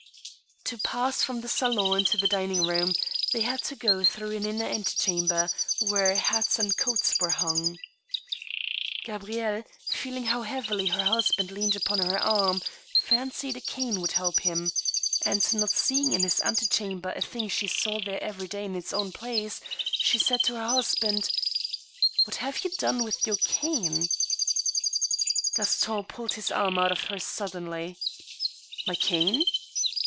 To pass from the salon into the dining room, they had to go through an inner antechamber, where hats and coats were hung. Gabrielle, feeling how heavily her husband leaned upon her arm, fancied a cane would help him, and, not seeing in this antechamber a thing she saw there every day in its own place, she said to her husband :" What have you done with your cane ?" Gaston pulled his arm out of hers suddenly. " My cane